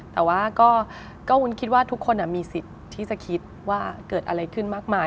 แต่ว่าก็วุ้นคิดว่าทุกคนมีสิทธิ์ที่จะคิดว่าเกิดอะไรขึ้นมากมาย